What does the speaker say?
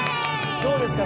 どうですか？